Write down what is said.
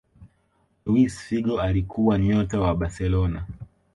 Luis Figo alikuwa nyota wa barcelona